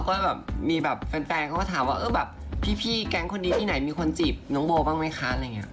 ว่ามีแฟนเขาก็ถามว่าพี่แก๊งคนดีที่ไหนมีคนจีบน้องโบบ้างมั้ยคะ